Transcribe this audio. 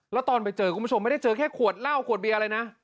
แล้วตอนไปเจอคุณผู้ชมไม่ได้เจอแค่ขวดเหล้าขวดเบียร์อะไรนะ